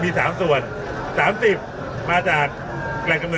พี่คงต้องดูประสานร่วมมือกันทุกภาคส่วน